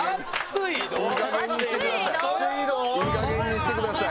いいかげんにしてください。